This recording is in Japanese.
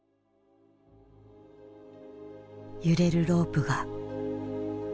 揺れるロープが。